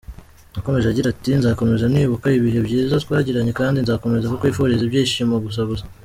Yakomeje agira ati:“Nzakomeza nibuka ibihe byiza twagiranye, kandi nzakomeza kukwifuriza ibyishimo gusa gusa….